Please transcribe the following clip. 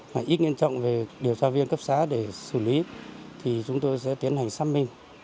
mà ít nghiên trọng về điều tra viên cấp xã để xử lý thì chúng tôi sẽ tiến hành xăm minh